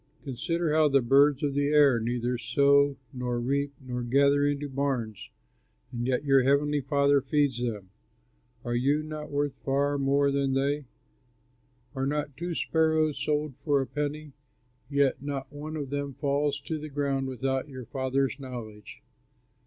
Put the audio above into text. Consider how the birds of the air neither sow nor reap nor gather into barns, and yet your heavenly Father feeds them. Are you not worth far more than they? Are not two sparrows sold for a penny? Yet not one of them falls to the ground without your Father's knowledge.